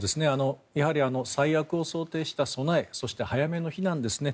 やはり最悪を想定した備えそして早めの避難ですね。